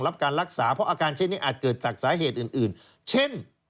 รับการรักษาเพราะอาการเช่นนี้อาจเกิดจากสาเหตุอื่นเช่น